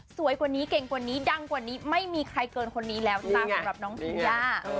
กว่านี้เก่งกว่านี้ดังกว่านี้ไม่มีใครเกินคนนี้แล้วจ้าสำหรับน้องธีย่า